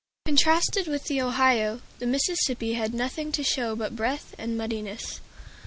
Contrasted with the Ohio, the Mississippi had nothing to show but breadth and muddiness.